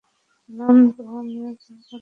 নান্দু, আমিও যাবো তোমার সাথে।